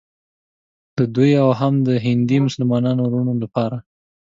د دوی او هم د هندي مسلمانانو وروڼو لپاره.